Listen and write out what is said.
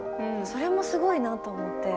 それもすごいなと思って。